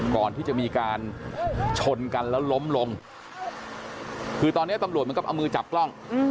ก่อนที่จะมีการชนกันแล้วล้มลงคือตอนนี้ตำรวจเหมือนกับเอามือจับกล้อง